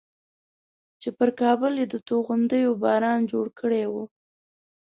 چې پر کابل یې د توغندیو باران جوړ کړی و.